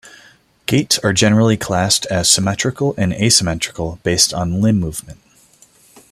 Gaits are generally classed as "symmetrical" and "asymmetrical" based on limb movement.